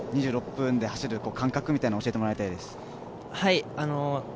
２６分台で走る感覚みたいなのを教えてもらいたい。